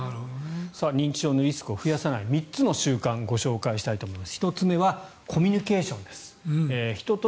認知症のリスクを増やさない３つの習慣ご紹介したいと思います。